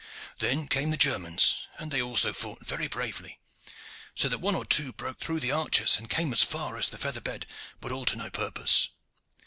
Then came the Germans, and they also fought very bravely, so that one or two broke through the archers and came as far as the feather bed, but all to no purpose.